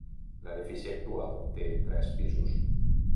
L'edifici actual té tres pisos.